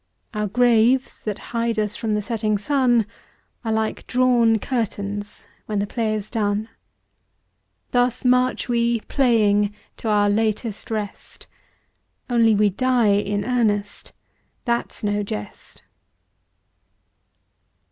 Our graves that hide us from the setting sun Are like drawn curtains when the play is done. Thus march we, playing, to our latest rest, Only we die in earnest, that's no jest.